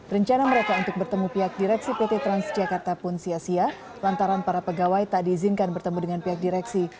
rencana mereka untuk bertemu pihak direksi pt transjakarta pun sia sia lantaran para pegawai tak diizinkan bertemu dengan pihak direksi